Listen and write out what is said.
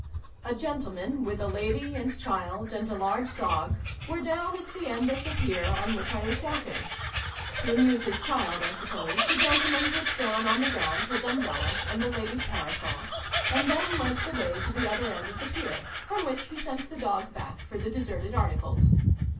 A gentleman, with a lady, and child, and a large dog, were down at the end of a pier on which I was walking. To amuse his child, I suppose, the gentleman put down on the Xixj A FAIRY DUET. 295 ground his umbrella and the lady's parasol, and then led the way to the other end of the pier, from which he sent the dog back for the deserted articles.